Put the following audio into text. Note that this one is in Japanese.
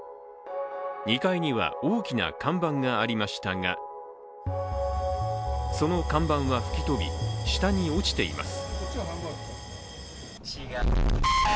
２階には大きな看板がありましたが、その看板は吹き飛び、下に落ちています。